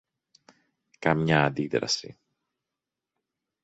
Καμιά αντίδραση